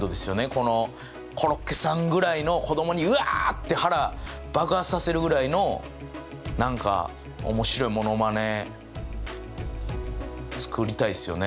このコロッケさんぐらいのを子供にうわって腹爆発させるぐらいの何か面白いモノマネ作りたいですよね